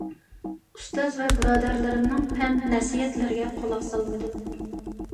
ئۇستاز ۋە بۇرادەرلىرىمنىڭ پەند - نەسىھەتلىرىگە قۇلاق سالمىدىم.